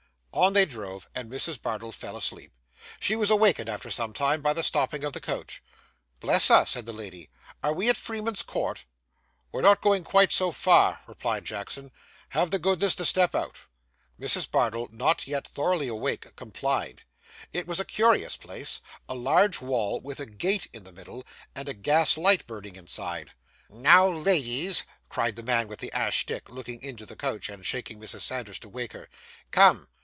On they drove, and Mrs. Bardell fell asleep. She was awakened, after some time, by the stopping of the coach. 'Bless us!' said the lady. 'Are we at Freeman's Court?' 'We're not going quite so far,' replied Jackson. 'Have the goodness to step out.' Mrs. Bardell, not yet thoroughly awake, complied. It was a curious place: a large wall, with a gate in the middle, and a gas light burning inside. 'Now, ladies,' cried the man with the ash stick, looking into the coach, and shaking Mrs. Sanders to wake her, 'Come!